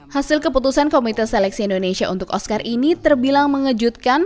hasil keputusan komite seleksi indonesia untuk oscar ini terbilang mengejutkan